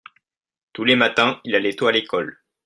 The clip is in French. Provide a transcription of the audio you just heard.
tous les matins il allait tôt à l'école.